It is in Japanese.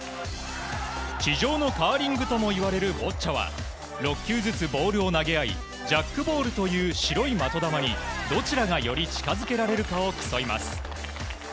地上のカーリングともいわれるボッチャは６球ずつボールを投げ合いジャックボールという白い的球にどちらがより近づけられるかを競います。